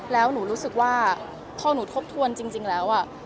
แล้วหนูรู้สึกว่าพอหนูทบทวนจริงแล้ว